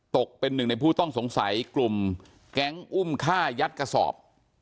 ตกเป็นหนึ่งในผู้ต้องสงสัยกลุ่มแก๊งอุ้มฆ่ายัดกระสอบ